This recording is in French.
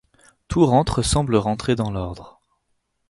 Tout rentre semble rentrer dans l'ordre.